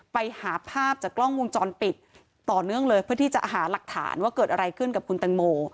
ไปหาภาพจากกล้องวงจรปิดต่อเนื่องเลยเพื่อที่จะหาหลักฐานว่าเกิดอะไรขึ้นกับคุณตังโม